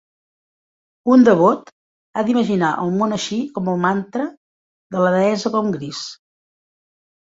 Un devot ha d'imaginar el món així com el mantra de la deessa com gris.